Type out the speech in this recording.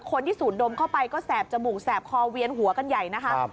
สูดดมเข้าไปก็แสบจมูกแสบคอเวียนหัวกันใหญ่นะคะ